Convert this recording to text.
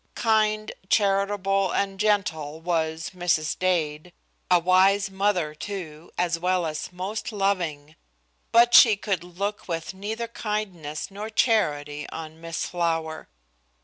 Kind, charitable and gentle was Mrs. Dade, a wise mother, too, as well as most loving, but she could look with neither kindness nor charity on Miss Flower.